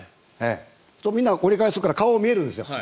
そうすると、みんな折り返すから顔が見えるんですよ。